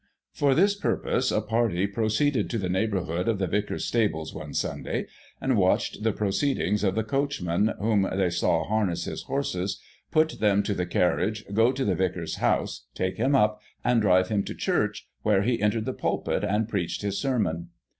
For this pur pose a party proceeded to the neighbourhood of the vicar's stables one Sunday, and watched the proceedings of the coachman, whom they saw harness his horses, put them to the carriage, go to the vicar's house, take him up, and drive him to church, where he entered the pulpit, and preached his sermon.